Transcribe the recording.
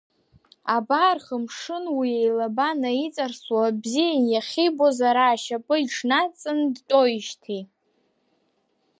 Абар хымшын уи илаба наиҵарсуа, бзиа иахьибоз ара ашьапы иҽнадҵан дтәоижьҭеи.